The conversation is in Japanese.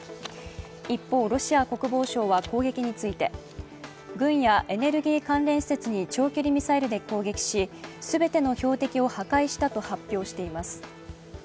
一方、ロシア国防省は攻撃について軍やエネルギー関連施設に長距離ミサイルで攻撃し、全ての標的を破壊したと発表しています。